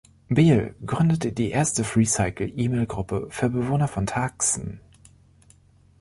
Beal gründete die erste Freecycle-E-Mail-Gruppe für Bewohner von Tucson.